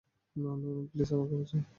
ওহ না, না, প্লিজ আমাকে বাঁচাও।